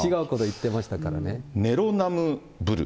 ネロナムブル。